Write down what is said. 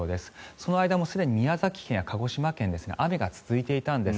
その間もすでに宮崎県や鹿児島県ですが雨が続いていたんです。